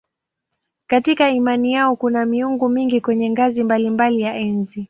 Katika imani yao kuna miungu mingi kwenye ngazi mbalimbali ya enzi.